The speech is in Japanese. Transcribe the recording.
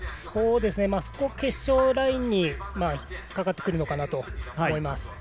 そこが決勝ラインにかかってくるのかなと思います。